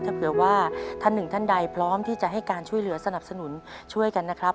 ถ้าเผื่อว่าท่านหนึ่งท่านใดพร้อมที่จะให้การช่วยเหลือสนับสนุนช่วยกันนะครับ